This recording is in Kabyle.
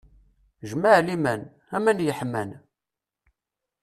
Jmaɛliman, aman yeḥman!